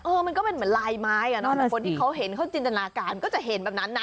มันก็เป็นเหมือนลายไม้อ่ะเนอะแต่คนที่เขาเห็นเขาจินตนาการก็จะเห็นแบบนั้นนะ